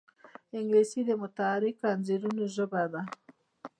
انګلیسي د متحرکو انځورونو ژبه ده